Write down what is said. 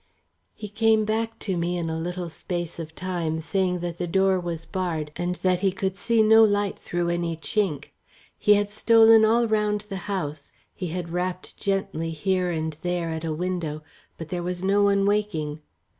He came back to me in a little space of time, saying that the door was barred, and that he could see no light through any chink. He had stolen all round the house; he had rapped gently here and there at a window, but there was no one waking.